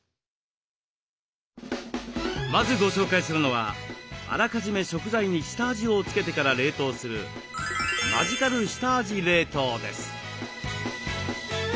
まずご紹介するのはあらかじめ食材に下味をつけてから冷凍する「マジカル下味冷凍」です。